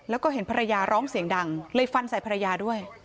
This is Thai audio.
แล้วก็เห็นภรรยาร้องเสียงดังเลยฟันใส่ภรรยาด้วย